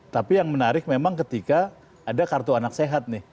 tapi yang menarik memang ketika ada kartu anak sehat nih